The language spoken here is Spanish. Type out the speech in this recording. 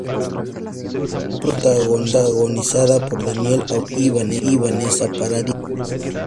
Está protagonizada por Daniel Auteuil y Vanessa Paradis.